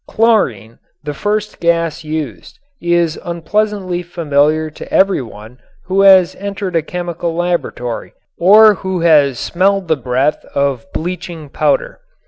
Chlorine, the first gas used, is unpleasantly familiar to every one who has entered a chemical laboratory or who has smelled the breath of bleaching powder.